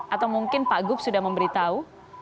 atau mungkin pak gup sudah memberitahu